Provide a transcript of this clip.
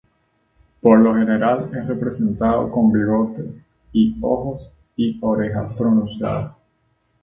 Por lo general es representado con bigote y ojos y orejas pronunciados.